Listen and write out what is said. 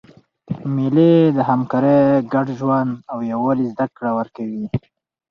مېلې د همکارۍ، ګډ ژوند او یووالي زدهکړه ورکوي.